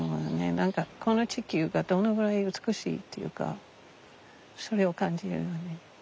何かこの地球がどのぐらい美しいというかそれを感じるよね。